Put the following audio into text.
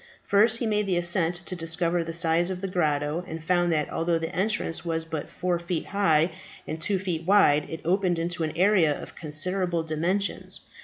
First he made the ascent to discover the size of the grotto, and found that although the entrance was but four feet high and two feet wide, it opened into an area of considerable dimensions.